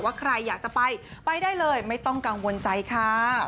ใครอยากจะไปไปได้เลยไม่ต้องกังวลใจค่ะ